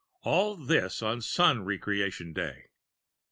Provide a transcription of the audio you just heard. All this on Sun Re creation Day!